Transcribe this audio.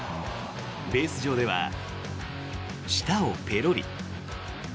ベース上では舌をペロリ。